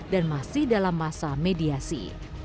dan masih dalam masa mediasi